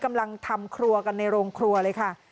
กำลังทำครัวกันในโรงครัวเลยค่ะ